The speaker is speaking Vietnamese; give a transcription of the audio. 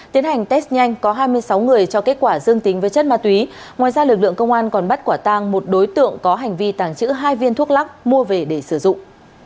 tiến hành test nhanh có hai mươi sáu người cho kết quả dương tính với chất ma túy ngoài ra lực lượng công an còn bắt quả tang một đối tượng có hành vi tàng trữ hai viên thuốc lắc mua về để sử dụng